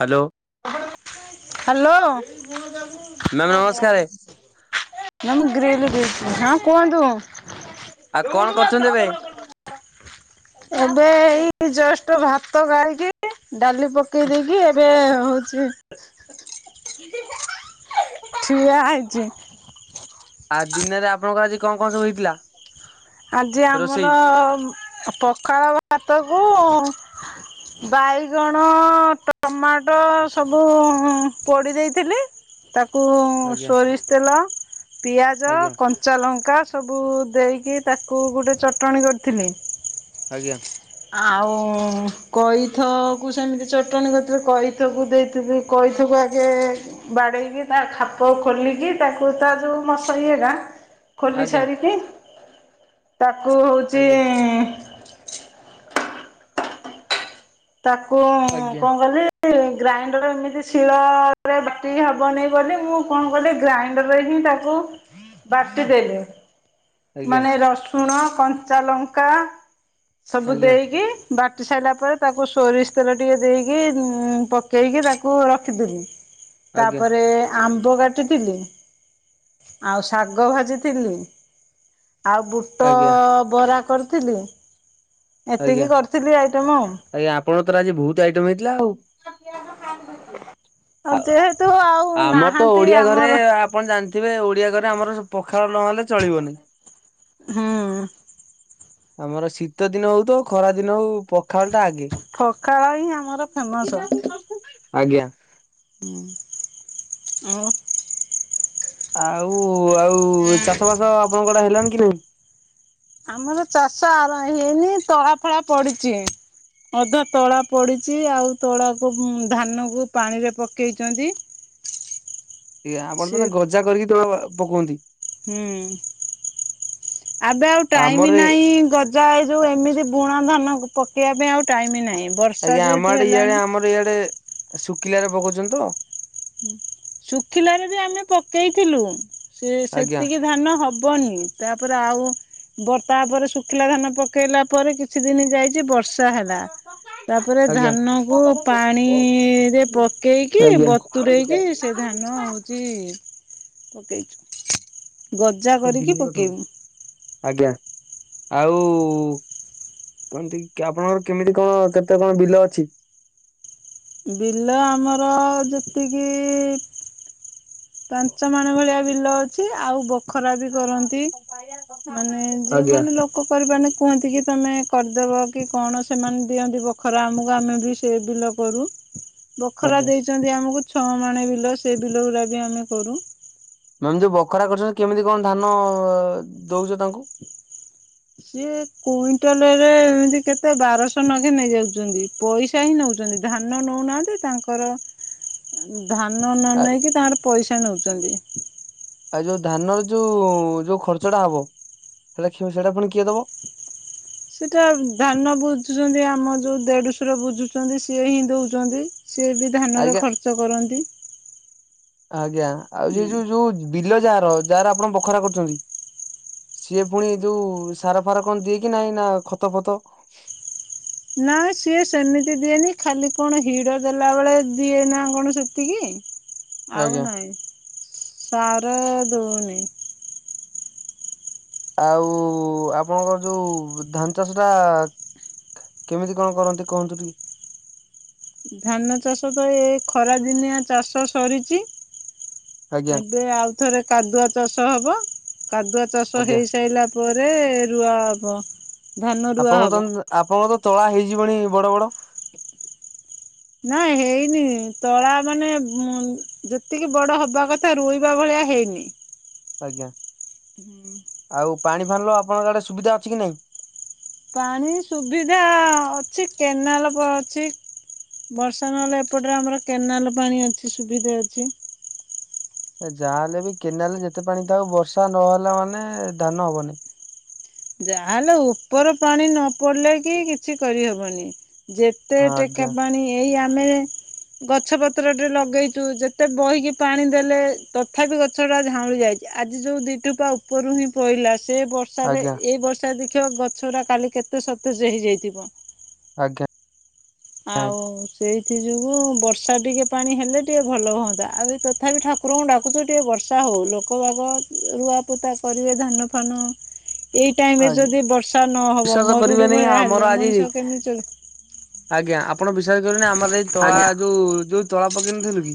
Hello. Hello. Ma'am ନମସ୍କାର [unintelligible] ଆଉ କଣ୍ କରୁଚନ୍ତି ଏବେ? ହ ଏବେ ଏଇ ଜଷ୍ଟ୍ ଭାତ ଗାଳିକି ଡାଲି ପକେଇ ଦେଇକି ଏବେ ହଉଚି ଠିଆ ହେଇଚି। ଆ -ଦିନରେ ଆପଣଙ୍କର ଆଜି କଣ କଣ ସବୁ ହେଇଥିଲା? ଆଜି ଆମର ରୋଷେଇ? ପଖାଳ ଭାତକୁ ବାଇଗଣ ଟମାଟୋ ସବୁ ପୋଡ଼ି ଦେଇଥିଲି ତାକୁ ଆଜ୍ଞା ସୋରିଷ ତେଲ ପିଆଜ ଆଜ୍ଞା କ ଚା ଲଙ୍କା ସବୁ ଦେଇକି ତାକୁ ଗୋଟେ ଚଟଣି କରିଥିଲି ଆଜ୍ଞା ଆଉ କଇଥ କୁ ସେମିତି ଚଟଣି କରିଥିଲି କଇଥକୁ ଦେଇଥିଲି କଇଥ କୁ ଆଗେ ବାଡେଇକି ତା ଖାପ ଖୋଲିକି ତାକୁ ତା ଯୋଉ ମସ ଏ ନା ଖୋଲି ସାରିକି ତାକୁ ହେଉଛି ଆଜ୍ଞା ତାକୁ ଆଜ୍ଞା କଣ କଲି ଗ୍ରାଇଣ୍ଡର ଏମିତି ଶିଳରେ ବାଟିକି ହବନି ବୋଲି ମୁଁ କଣ କଲି ଗ୍ରାଇଣ୍ଡରରେ ହିଁ ତାକୁ ତାକୁ ବାଟି ଦେଲେ ଆଜ୍ଞା ମାନେ ରସୁଣ କଞ୍ଚା ଲଙ୍କା ସବୁ ଆଜ୍ଞା ଆଜ୍ଞା ଦେଇକି ବାଟି ସାଇିଲା ପରେ ତାକୁ ସୋରିଷ ତେଲ ଟିକେ ଦେଇକି ପକେଇକି ତାକୁ ରଖିଦେବି ଆଜ୍ଞା ତାପରେ ଆମ୍ବ କାଟିଥିଲି ଆଉ ଶାଗ ଭାଜିଥିଲି ଆଉ ବୁଟ ଆଜ୍ଞା ବରା କରିଥିଲି ଆଜ୍ଞା ଏତିକି କରିଥିଲି ଆଇଟମ ଆଉ। ଆଜ୍ଞା ଆ ଆପଣଙ୍କ ତର ଆଜି ବହୁତ ଆଇଟମ ହେଇଥିଲା ଆଉ ଆଉ ଯେହେତୁ ଆଉ ଆମର ତ ନାହାନ୍ତି ଓଡିଆ ଘରେ ଆମର ଆପଣ ଜାଣିଥିବେ ଓଡିଆ ଘରେ ଆମର ପଖାଳ ନହଲେ ଚଳିବନି ହଁ ଆମର ଶୀତ ଦିନ ହଉ ତ ଖରା ଦିନ ହଉ ଖଟା ଆଗେ ଫକାଳ ହିଁ ଆମର ଫେମସ ଆଜ୍ଞା ହଁ ଆ ଆଉ ଆଉ ଚାଷ ବାସ ଆପଣଙ୍କଟେ ହେଲାଣି କି ନାଇଁ ଆମର ଚାଷ ଆରମ୍ ହେଇନି ତଳା ଫଳା ପଡିଛି ଅଧା ତଳା ପଡ଼ିଛି ଆଉ ତଳାକୁ ଧାନକୁ ପାଣିରେ ପକେଇଛନ୍ତି ଆପଣ ସେ ତା ଗଜା କରିକି ତବେ ପକନ୍ତି ହୁଁ ଏବେ ଆଉ ଆମର ଟାଇମ ନାହିଁ ଯାଏ ଯୋଉ ଏମିତି ବୁଣା ଧାନ ପକେଇବା ପାଇଁ ଆଉ ଟାଇମ ନାହିଁ ବର୍ଷା ଆଜ୍ଞା ଆମ ଯେହେତୁ ଆଡେ ଇଆଡେ ହେଲାଣି ଆମର ଇଆଡେ ଶୁଖିଲ ାରେ ପକଉଛନ୍ତି ତ ଶୁଖିଲାରେ ବି ଆମେ ପକେଇଥିଲୁ ସେ ଆଜ୍ଞା ସେତିକି ଧାନ ହବନି ତାପରେ ଆଉ ତାପରେ ଶୁଖିଲା ଧାନ ପକେଇଲା ପରେ କିଛି ଦିନ ଯାଇଛି ବର୍ଷା ବତା ହେଲା ତାପରେ ଆଜ୍ଞା ଧାନ କ ପାଣିରେ ପକେଇକି ଆଜ୍ଞା ତୂରେଇକି ସେ ଧାନ ହେଉଛି ପକେଇଛୁ ଗଜା କରିକି ପକେଇବୁ ଆଜ୍ଞା ଆଉ ଏ ଆପଣଙ୍କର କେମିତି କଣ କେତେ କଣ ବିଲ ଅଛି ବିଲ ଆମର ଯେତିକି ପାଞ୍ଚ ମାଣ ଭଳିଆ ବିଲ ଅଛି ଆଉ ବ ଖରା ବି କରନ୍ତି ମାନେ ଆଜ୍ଞା ଯେଉଁମାନେ ଲୋକ ଲୋକକରିପାନ କୁହନ୍ତି କି ତମେ କରିଦେବ କି କଣ ସେମାନେ ଦିଅନ୍ତି ବଖରା ଆମକୁ ଆମେ ବି ସେ ବିଲ କରୁ [inaudible] ବଖରା ଆଜ୍ଞା ଦେଇଛନ୍ତି ଆମକୁ ଛଅ ମାଣେ ବିଲ ସେ ବିଲ ଗୁଡା ବି ଆମେ କରୁ ମାନେ ଯୋଉ ବଖରା କରୁଛନ୍ତି କେମିତି କଣ ଧାନ ଦଉଛ ତାଙ୍କୁ? ସିଏ କୁଇଣ୍ଟାଲରେ ଏମିତି କେତେ ବାରଶହ ନଖେ ନେଇଯାଉଛନ୍ତି। ପଇସା ହିଁ ନଉଛନ୍ତି ଧାନ ନଉନାହାନ୍ତି ତାଙ୍କର [inaudible] ଧାନ ନ ଆ ନେଇକି ତାଙ୍କର ପଇସା ନଉଛନ୍ତି। ଆଉ ଯୋଉ ଧାନର ଯୋଉ ଯୋଉ ଖର୍ଚ୍ଚଟା ହବ ସେଇଟା ପୁଣି କିଏ ଦବ? ସେଟା ଧାନ ବୁଝୁଛନ୍ତି ଆମ ଯୋଉ ଦେଢଶୁର ବୁଝୁଛନ୍ତି ସିଏ ହିଁ ଦଉଛନ୍ତି। ସିଏ ବି ଧାନରେ ଆଜ୍ଞା ଖର୍ଚ୍ଚ କରନ୍ତି। ଆଜ୍ଞା ଆଉ ଯ ଯୋଉ ଯୋଉ ବିଲ ଯାହାର ଯାହାର ଆପଣ ବଖରା କରୁଛନ୍ତି। ସିଏ ପୁଣି ଯୋଉ ସାର ଫାର କଣ ଦିଏ କି ନାହିଁ ନା ଖତ ଫତ? ନା ସିଏ ସେମିତି ଦିଏନି ଖାଲି କଣ ହିଡ଼ ଦେଲା ବେଳେ ଦିଏ ନା କଣ ସେତିକି? ଆଉ ଆଜ୍ଞା। ନାହିଁ ସାର ଦଉନି। ଆଉ ଆପଣଙ୍କର ଯୋଉ ଧାନ ଚାଷ ଟା କେମିତି କଣ କରନ୍ତି କୁହନ୍ତୁ ଟିକେ? ଧାନ ଚାଷ ତ ଏ ଖରାଦିନିଆ ଚାଷ ସରିଛି। ଆଜ୍ଞା ଏବେ ଆଉଥରେ କାଦୁଆ ଚାଷ ହବ କାଦୁଆ ଚାଷ ଆଜ୍ଞା। ହେଇସାରିଲା ପରେ ରୁଆ ହବ। ଧାନ ରୁଆ ହବ। ଆପଣଙ୍କର ତ ଆପଣଙ୍କର ତ ତଳା ହେଇଯିବଣି ବଡ ବଡ। ନା ହେଇନି ତଳା ମାନେ ଯେତିକି ବଡ ହବା କଥା ରୋଇବା ଭଳିଆ ହେଇନି। ଆଜ୍ଞା। ହୁଁ। ଆଉ ପାଣି ଫାଣିିଲ ଆପଣଙ୍କ ଆଡେ ସୁବିଧା ଅଛି କି ନାଇଁ? ପାଣି ସୁବିଧା ଅଛି କେନାଲ ଅଛି। ବର୍ଷା ନହେଲେ ଏପଟରେ ଆମର କେନାଲ ପାଣି ଅଛି ସୁବିଧା ଅଛି। ଯାହାହଲେ ବି କେନାଲରେ ଯେତେ ପାଣି ଥାଉ ବର୍ଷା ନହେଲା ମାନେ ଧାନ ହବନି। ଯାହାହେଲେ ଉପର ପାଣି ନ ପଡିଲେ କି କିଛି କରିହବନି। ଯେତେ ହଁ ଟେକା ଆଜ୍ଞା ପାଣି ଏଇ ଆମେ ଗଛ ପତ୍ର ଟେ ଲଗେଇଛୁ ଯେତେ ବହିକି ପାଣି ଦେଲେ ତଥାପି ଗଛ ଟା ଝାଉଁଳି ଯାଇଛି। ଆଜି ଯୋଉ ଦିଟୋପା ଉପରୁ ହିଁ ପଇଲା ସେ ବର୍ଷ ଆଜ୍ଞା ବର୍ଷାରେ ଏଇ ବର୍ଷାରେ ଦେଖିବ ଗଛ ଗୁଡା କାଲି କେତେ ସତେଜ ହେଇଯାଇଥିବ। ଆଜ୍ଞା। ଆଉ ସେଇଥି ଯୋଗୁ ବର୍ଷା ଟିକେ ପାଣି ହେଲେ ଟିକେ ଭଲ ହୁଅନ୍ତା ଆଉ ଏ ତଥାପି ଠକ ଠାକୁରଙ୍କୁ ଡାକୁଛୁ ଟିକେ ବର୍ଷା ହଉ ଲୋକ ବାକ ରୁଆପୋତା କରିବେ ଧାନ ଫାନ। [inaudible] ଏଇ ଟାଇମ ରେ ଆଜ୍ଞା। ଯଦି ବର୍ଷା ନହବ ବିଶ୍ଵାସ ମରୁଡି କରିବେନି ଭଳିଆ ଆମର ହେଲେ ଆଜି ମଣିଷ କେମିତି ଚଳ ଆଜ୍ଞା ଆପଣ ବିଶ୍ୱାସ କରିବେନି ଆମର ଏଇ ତଳା ଆଜ୍ଞା ଯୋଉ ଯୋଉ ତଳ ପକେଇ ନଥିଲୁ କି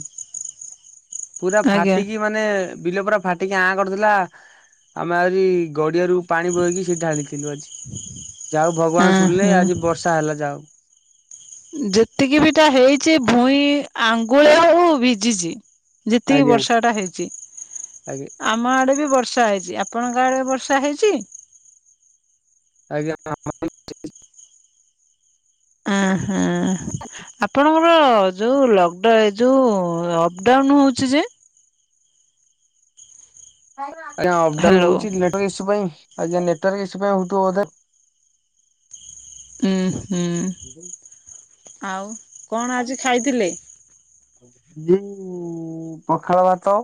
ପୁରା ଆଜ୍ଞା ଫାଟିକି ମାନେ ବିଲ ପୁରା ଫାଟିକି ଆଁ କରିଥିଲା ଆମେ ଆହୁରି ଗଡିଆରୁ ପାଣି ବୋହିକି ସେ ଢାଳିଥିଲୁ ଆଜି ଯାହଉ ଭଗବାନ ହଁ ଶୁଣିଲେ ହଁ। ଆଜି ବର୍ଷା ହେଲା ଯାହଉ। ଯେତିକିଟାବି ହେଇଛି ଭୁଇଁ ଆଙ୍ଗୁଳିଏ ହଉ ଭିଜିଛି। ଯେତିକି ଆଜ୍ଞା ବର୍ଷାଟା ହେଇଛି। ଆଜ୍ଞା। ଆମ ଆଡେ ବି ବର୍ଷା ହେଇଛି ଆପଣଙ୍କ ଆଡେ ବର୍ଷା ହେଇଛି। ଆଜ୍ଞା ଆପଣଙ୍କ ଆହା ଆପଣଙ୍କର ଯୋଉ ଲକଡାଉନ ଯୋଉ ଅପଡାଉନ ହଉଛି ଯେ। ଆଜ୍ଞା ଅପଡାଉନ୍ ହ୍ୟାଲୋ ହୋଉଛି ନେଟ ଇସ୍ୟୁ ପାଇ ଆଜ୍ଞା ନେଟୱର୍କ ଇସ୍ୟୁ ପାଇ ହଉଥିବ ବୋଧେ। ଉଁ ହୁଁ ଆଉ କଣ ଆଜି ଖାଇଥିଲେ? ଉଁ ପଖାଳ ଭାତ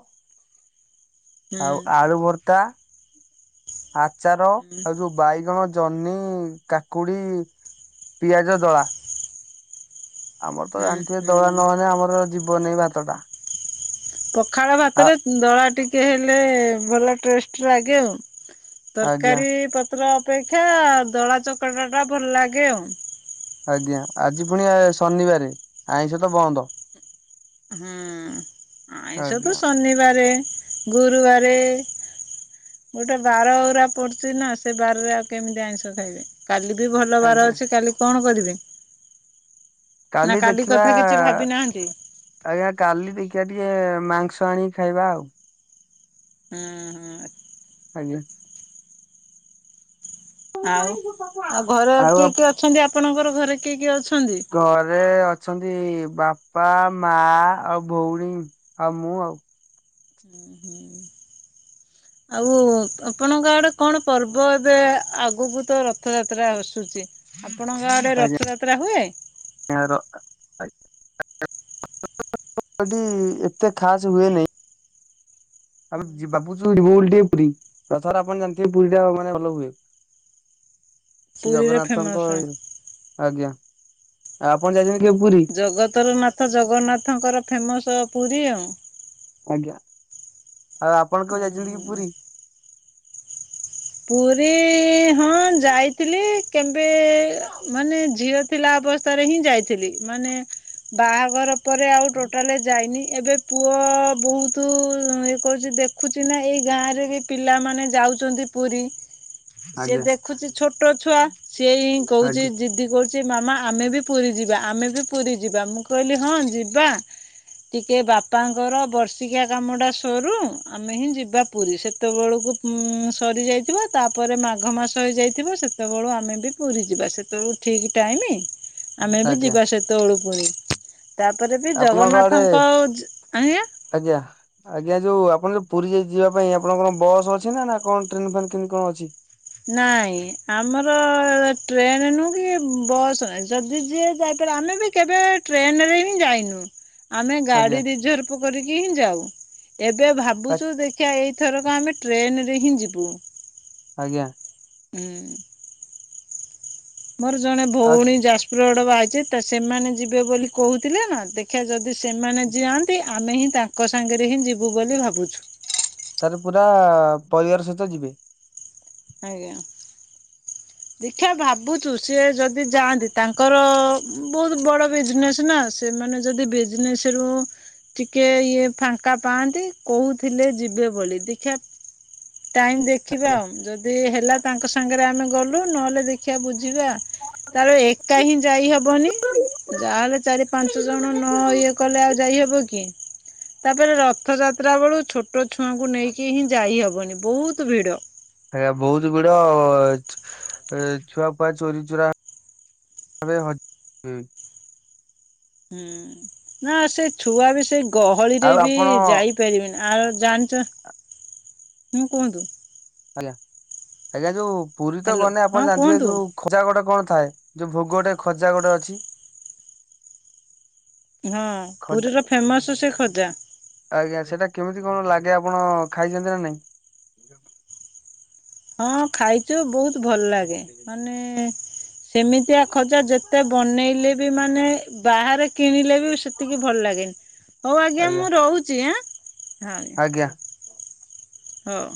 ହୁଁ ଆଉ ଆଳୁ ଭର୍ତ୍ତା ଆଚାର ହୁଁ ଆଉ ଯୋଉ ବାଇଗଣ ଜହ୍ନି କାକୁଡି ପିଆଜ ଦଳା। ଆମର ତ ହୁଁ ଜାଣିଥିବେ ଦଳା ହୁଁ ନହଲେ ଆମର ଯିବନି ଭାତ ଟା। ପଖାଳ ଆ ଭାତରେ ଦଳା ଟିକେ ହେଲେ ଭଲ ଟେଷ୍ଟ ଲାଗେ ଆଉ। ଆଜ୍ଞା ତରକାରୀ ପତ୍ର ଅପେକ୍ଷା ଦଳା ଚକଟା ଟା ଭଲ ଲାଗେ ଆଉ। ଆଜ୍ଞା, ଆଜି ପୁଣି ଆ ଶନିବାରେ ଆଇଁଷ ତ ବନ୍ଦ। ହୁଁ, ଆଇଁଷ ତ ଆଜ୍ଞା ଶନିବାରେ, ଗୁରୁବାରେ ଗୋଟେ ବାରଉରା ପଡୁଛି ନା, ସେ ବାରରେ ଆଉ କେମିତି ଆଇଁଷ ଖାଇବେ। କାଲିବି ଭଲ ବାର ଆଜ୍ଞା ଅଛି, କାଲି କଣ କରିବି? କାଲି ଦେଖିବା କଥା କିଛି ଭାବି ନାହାନ୍ତି ଆଜ୍ଞା, କାଲି ଦେଖିବା ଟିକେ ମାଂସ ଆଣି ଖାଇବା ଆଉ। ହୁଁ ହୁଁ। ଆଜ୍ଞା। ଆଉ, ଆଉ ଘରେ ଆଉ କିଏ ଆପ କିଏ ଅଛନ୍ତି, ଆପଣଙ୍କର ଘରେ କିଏ କିଏ ଅଛନ୍ତି? ଘରେ ଅଛନ୍ତି ବାପା, ମା, ଆଉ ଭଉଣି, ଆଉ ମୁଁ ଆଉ। ଉଁ ହୁଁ। ଆଉ ଆପଣଙ୍କ ଆଡେ କଣ ପର୍ବ ଏବେ ଆଗକୁ ତ ରଥଯାତ୍ରା ଆସୁଛି, ଆପଣଙ୍କ ଆଡ଼େ ରଥଯାତ୍ରା ହୁଏ? ଆଜ୍ଞା ର ଏଠି ଏତେ ଖାସ୍ ହୁଏ ନେଇଁ। [unintelligible] ବାବୁଚୁ ଯିବୁ ବୋଲି ଟିକେ ପୁରି ରଥଯାତ୍ରା ଆପଣ ଜାଣିଥିବେ ପୁରୀ ଟା ମାନେ ଭଲ ହୁଏ। ଶ୍ରୀ ପୁରୀରେ ଜଗନ୍ନାଥଙ୍କ ଫେମସ ଇଏରୁ ଆଜ୍ଞା, ଆପଣ ଯାଇଛନ୍ତି କେବେ ପୁରୀ? ଜଗତର ନାଥ ଜଗନ୍ନାଥଙ୍କର ଫେମସ ପୁରୀ ଆଉ। ଆଜ୍ଞା, ଆଉ ଆପଣ କେବେ ଯାଇଛନ୍ତି କି ଉହୁଁ। ପୁରୀ? ପୁରୀ ହଁ ଯାଇଥିଲି କେବେ ମାନେ ଝିଅ ଥିଲା ଅବସ୍ଥାରେ ହିଁ ଯାଇଥିଲି, ମାନେ ବାହାଘର ପରେ ଆଉ ଟୋଟାଲେ ଯାଇନି ଏବେ ପୁଅ ବହୁତୁ ଇଏ କରୁଛି ଦେଖୁଛି ନାଁ ଏଇ ଗାଁରେ ବି ପିଲାମାନେ ଯାଉଚନ୍ତି ପୁରୀ ସେ ଆଜ୍ଞା ଦେଖୁଛି ଛୋଟ ଛୁଆ, ସିଏ ହିଁ କହୁଛି ଆଜ୍ଞା ଜିଦି କରୁ ଚି ମାମା ଆମେ ବି ପୁରୀ ଯିବା, ଆମେ ବି ପୁରୀ ଯିବା, ମୁଁ କହିଲି ହଁ ଯିବା। ଟିକେ ବାପାଙ୍କର ବର୍ଷିକିଆ କାମ ଟା ସରୁ ଆମେ ହିଁ ଯିବା ପୁରୀ ସେତେବେଳକୁ ଉଁ। ସରିଯାଇଥିବ ତାପରେ ମାଘ ମାସ ହେଇଯାଇଥିବ ସେତେବେଳୁ ଆମେ ବି ପୁରୀ ଯିବା ସେତେବେଳୁ ଠିକି ଟାଇମି ଆମେବି ଆଜ୍ଞା ଯିବା ସେତବେଳୁ ପୁରୀ। ତାପରେ ବି ଆପଣଙ୍କ ଆଡେ ଜଗନ୍ନାଥଙ୍କ, ଯି ଆଜ୍ଞା? ଆଜ୍ଞା। ଆଜ୍ଞା ଯୋଉ ଆପଣ ଯୋଉ ପୁରୀ ଯାଇ ଯିବା ପାଇଁ ଆପଣଙ୍କର ବସ୍ ଅଛି ନା ନା କଣ ଟ୍ରେନ୍ ଫେନ୍ କେମିତି କଣ ଅଛି? ନାଇଁ ଆମର ଟ୍ରେନ୍ ନୁହୁଁ କି ବସ ନାଇଁ ଯଦି ଯିଏ ଯାଇପାରେ ଆମେ ବି କେବେ ଟ୍ରେନ୍ ରେ ହିଁ ଯାଇନୁ ଆମେ ଆଜ୍ଞା ଗାଡି ରିଝର୍ଭ ପ କରିକି ହିଁ ଯାଉ ଏବେ ଆ ଭାବୁଛୁ ଦେଖିଆ ଏଇଥରକ ଆମେ ଟ୍ରେନରେ ହିଁ ଯିବୁ। ଆଜ୍ଞା। ହୁଁ। ମୋର ଜଣେ ଆ ଭଉଣୀ ଯାଜପୁର ରୋଡ଼ ବହାହେଇଛି, ସେମାନେ ଯିବେ ବୋଲି କହୁଥିଲେ ନା ଦେ ଦେଖିଆ ଯଦି ସେମାନେ ଯାଆନ୍ତି, ଆମେ ହିଁ ତାଙ୍କ ସାଙ୍ଗରେ ହିଁ ଯିବୁ ବୋଲି ଭାବୁଛୁ। ତାରେ ପୁରା ପରିବାର ସହିତ ଯିବେ? ଆଜ୍ଞା। [unintelligible] ଦେଖିଆ ଭାବୁଛୁ ସିଏ ଯଦି ଯାଆନ୍ତି ତାଙ୍କର ବହୁତ୍ ବଡ ବିଜନେସ୍ ନାଁ ସ ସେମାନେ ଯଦି ବିଜିନେସ ରୁ ଟିକେ ଇଏ ଫାଙ୍କା ପାଆନ୍ତି କହୁଥିଲେ ଯିବେ ବୋଲି ଦେଖିଆ ଟାଇମ୍ ଦେଖିବା ଆଉ ଯଦି ହେଲା ତାଙ୍କ ସାଙ୍ଗରେ ଆମେ ଗଲୁ ନହେଲେ ଦେଖିଆ ବୁଝିବା। ତାପରେ ଏକା ହିଁ ଯାଇ ହବନି। ଯାହାହେଲେ ଚାରି ପାଞ୍ଚ ଜଣ ନ ଇଏ କଲେ ଆଉ ଯାଇହବ କି? ତାପରେ ରଥଯାତ୍ରା ବେଳୁ ଛୋଟ ଛୁଆଙ୍କୁ ନେଇକି ହିଁ ଯାଇହବନି ବହୁତ ଭିଡ଼। ହେରା ବହୁତ ଭିଡ଼, ଛୁଆଫୁଆ ଚୋରି ଚୁରା ଏବେ ହ ହୁଁ ନା ସେ ଛୁଆ ବି ସେଇ ଗହଳିରେ ଆଉ ବି ଆପଣ ଯାଇପାରିବେନି ଆଉ ଜାଣି ହୁଁ କୁହନ୍ତୁ? ଆଜ୍ଞା ଆଜ୍ଞା ଯୋଉ ପୁରୀ ତ ହ୍ୟାଲୋ ଗଲେ ଆପଣ ହଁ ଜାଣିଥିବେ କୁହନ୍ତୁ ଯୋଉ ଖଜା ଗୋଟେ କଣ ଥାଏ ଯୋଉ ଭୋଗ ଗୋଟେ ଖଜା ଗୋଟେ ଅଛି। ହଁ ଖଜା ପୁରୀର ଫେମସ ସେ ଖଜା। ଆଜ୍ଞା ସେଟା କେମିତି କଣ ଲାଗେ ଆପଣ ଖାଇଛନ୍ତି ନା ନାଇଁ? ହଁ ଖାଇଛୁ ବହୁତ ଭଲ ଲାଗେ। ମାନେ ସେମିତିଆ ଖଜା ଯେତେ ବନେଇଲେ ବି ମାନେ ବାହାରେ କିଣିଲେ ବି ସେତିକି ଭଲ ଲାଗେନି। ହଉ ଆଜ୍ଞା ମୁଁ ରହୁଛି ଆଁଁ। ଆଜ୍ଞା। ହଉ।